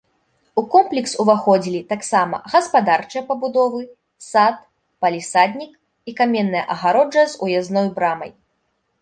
У комплекс уваходзілі таксама гаспадарчыя пабудовы, сад, палісаднік і каменная агароджа з уязной брамай.